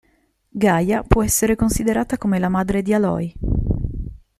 Gaia può essere considerata come la madre di Aloy.